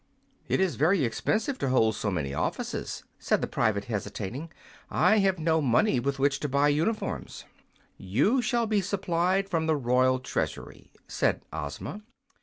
"It is very expensive to hold so many offices," said the private, hesitating. "I have no money with which to buy uniforms." "You shall be supplied from the royal treasury," said Ozma.